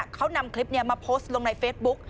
เขานำคลิปนี้มาโพสต์ลงในเฟซบุ๊ก